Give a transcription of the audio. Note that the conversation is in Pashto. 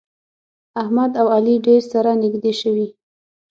احمد او علي ډېر سره نږدې شوي.